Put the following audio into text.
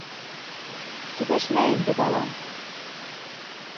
Төбәшмә инде, балам.